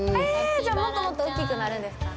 じゃあもっともっと大きくなるんですか？